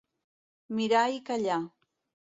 Mirar i callar.